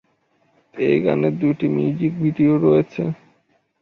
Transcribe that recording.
এই গানের দুইটি মিউজিক ভিডিও রয়েছে।